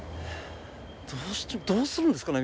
どうするんですかね